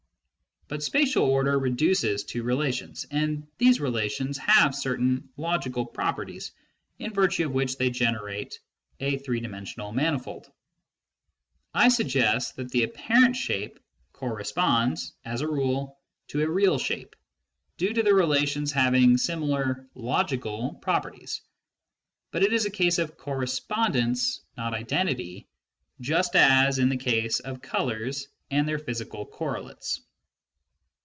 But spatial order reduces to relations, and these relations have certain logical properties in virtue of which they generate a three dimensional manifold. I suggest that the apparent shape " corresponds " as a rule to a real shape, due to relations having similar logical properties. But it is a case of correspondence, not identity, just as in the case of colours and their physical correlates.